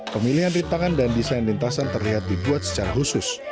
pemilihan rintangan dan desain lintasan terlihat dibuat secara khusus